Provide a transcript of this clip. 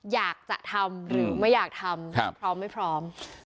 อยากจะทำหรือไม่อยากทำพร้อมไม่พร้อม